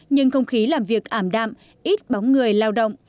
nhưng không khí làm việc ảm đạm ít bóng người lao động